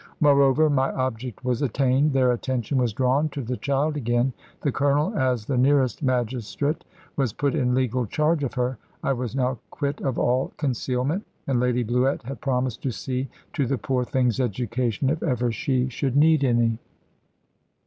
Moreover, my object was attained. Their attention was drawn to the child again: the Colonel, as the nearest magistrate, was put in legal charge of her: I was now quit of all concealment: and Lady Bluett had promised to see to the poor thing's education, if ever she should need any.